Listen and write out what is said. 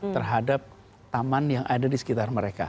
terhadap taman yang ada di sekitar mereka